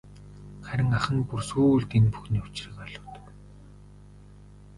Харин ах нь бүр сүүлд энэ бүхний учрыг ойлгодог.